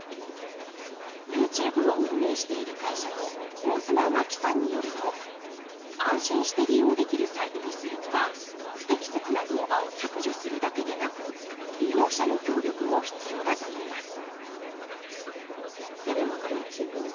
ＹｏｕＴｕｂｅを運営している会社の上妻真木さんによると安心して利用できるサイトにするには不適切な動画を削除するだけでなく利用者の協力も必要だといいます